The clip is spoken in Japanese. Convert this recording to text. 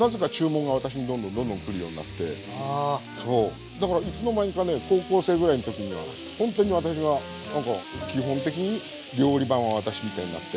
そうだからいつの間にかね高校生ぐらいの時にはほんとに私が何か基本的に料理番は私みたいになって。